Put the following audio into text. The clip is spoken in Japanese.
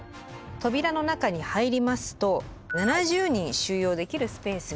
扉の中に入りますと７０人収容できるスペースがあると。